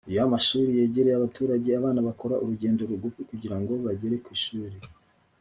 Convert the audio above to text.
iyo amashuri yegereye abaturage abana bakora urugendo rugufi kugira ngo bagere ku ishuri